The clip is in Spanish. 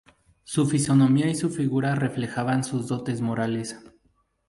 Su fisonomía y su figura reflejaban sus dotes morales.